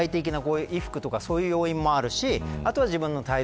外的な衣服とかそういう要因もあるし